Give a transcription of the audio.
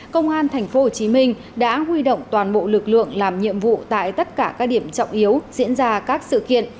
công an tp hcm đã huy động toàn bộ lực lượng làm nhiệm vụ tại tất cả các điểm trọng yếu diễn ra các sự kiện